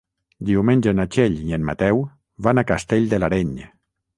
Diumenge na Txell i en Mateu van a Castell de l'Areny.